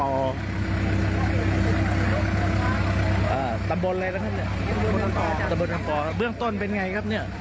อ่าตำบลอะไรนะครับเบื้องต้นเป็นไงครับเนี่ย